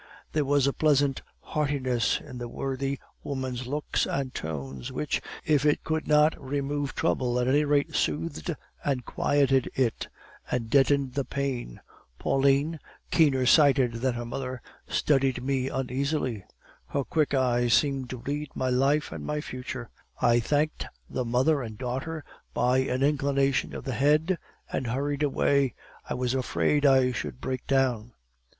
There was a pleasant heartiness in the worthy woman's looks and tones, which, if it could not remove trouble, at any rate soothed and quieted it, and deadened the pain. Pauline, keener sighted than her mother, studied me uneasily; her quick eyes seemed to read my life and my future. I thanked the mother and daughter by an inclination of the head, and hurried away; I was afraid I should break down.